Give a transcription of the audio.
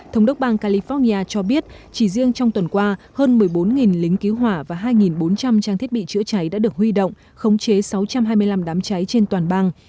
thống đốc bang california cho biết chỉ riêng trong tuần qua hơn một mươi bốn lính cứu hỏa và hai bốn trăm linh trang thiết bị chữa cháy đã được huy động khống chế sáu trăm hai mươi năm đám cháy trên toàn bang